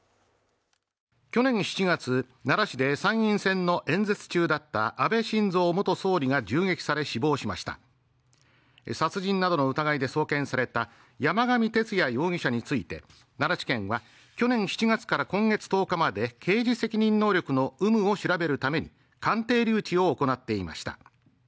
去年７月奈良市で参院選の演説中だった安倍晋三元総理が銃撃され死亡しました殺人などの疑いで送検された山上徹也容疑者について奈良地検は去年７月から今月１０日まで刑事責任能力の有無を調べるために鑑定留置を行っていました